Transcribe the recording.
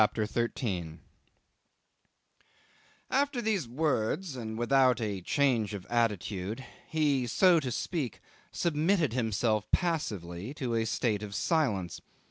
CHAPTER 13 'After these words, and without a change of attitude, he, so to speak, submitted himself passively to a state of silence.